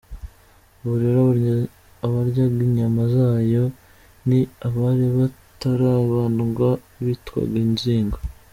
Ubwo rero abaryaga inyama zayo, ni abari batarabandwa bitwaga inzigo.